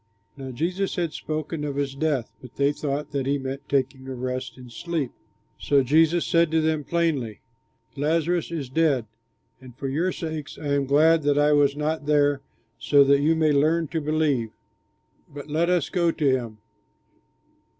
Now Jesus had spoken of his death, but they thought that he meant taking rest in sleep. So Jesus said to them plainly, "Lazarus is dead, and for your sakes I am glad that I was not there, so that you may learn to believe. But let us go to him."